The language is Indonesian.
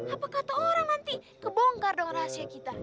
apa kata orang nanti kebongkar dong rahasia kita